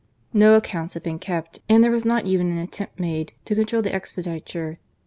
No accounts had been kept, and there was not even an attempt made to control the expenditure.